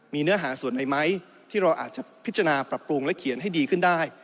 มีเนื้อหาส่วนไหนไหมที่เราอาจจะพิจารณาปรับปรุงและเขียนให้ดีขึ้นได้